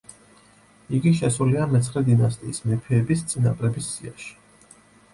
იგი შესულია მეცხრე დინასტიის მეფეების წინაპრების სიაში.